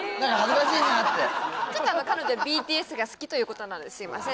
ちょっと彼女ＢＴＳが好きということなんですいません